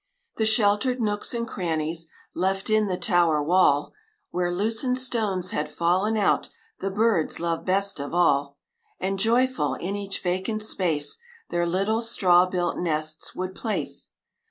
The sheltered nooks and crannies Left in the tower wall Where loosened stones had fallen out, The birds loved best of all; And, joyful, in each vacant space Their little straw built nests would place.